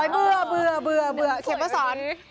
เบื่อเบื่อเบื่อเบื่อเบื่อเผื่อ